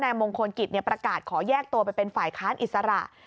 นายมงคลกิตเนี่ยประกาศขอยากตัวไปเป็นฝ่ายค้านอิสระ